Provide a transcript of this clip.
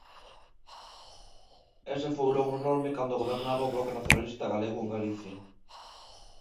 Ese foi un logro enorme cando gobernaba o Bloque Nacionalista Galego en Galicia.